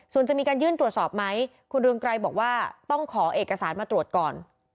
ส่วนจะมีการยื่นตรวจสอบไหมคุณเรืองไกรบอกว่าต้องขอเอกสารมาตรวจก่อน